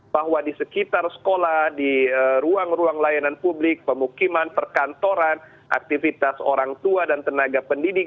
bahwa di sekitar sekolah di ruang ruang layanan publik pemukiman perkantoran aktivitas orang tua dan tenaga pendidik